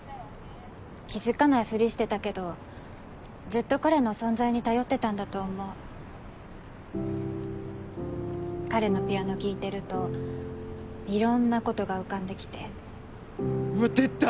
気づかないフリしてたけどずっと彼の存在に頼ってたんだと思う彼のピアノ聴いてると色んなことが浮かんできてうわっ出た！